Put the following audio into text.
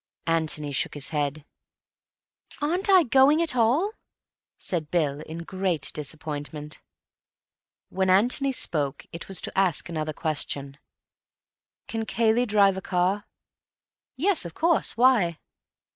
Antony shook his head. "Aren't I going at all?" said Bill in great disappointment. When Antony spoke, it was to ask another question: "Can Cayley drive a car?" "Yes, of course. Why?"